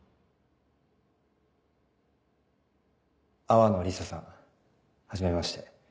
淡野リサさんはじめまして。